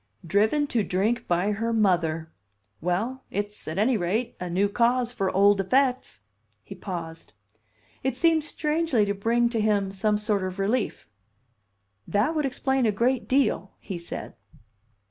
"Driven to drink by her mother! Well, it's, at any rate, a new cause for old effects." He paused. It seemed strangely to bring to him some sort of relief. "That would explain a great deal," he said.